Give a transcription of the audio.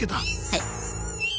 はい。